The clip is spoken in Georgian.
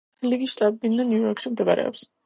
ლიგის შტაბ-ბინა ნიუ-იორკში მდებარეობს.